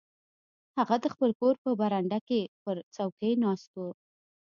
هغه د خپل کور په برنډه کې پر څوکۍ ناست و.